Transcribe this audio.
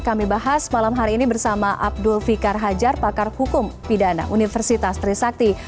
kami bahas malam hari ini bersama abdul fikar hajar pakar hukum pidana universitas trisakti